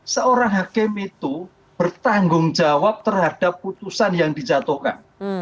seorang hakim itu bertanggung jawab terhadap putusan yang dijatuhkan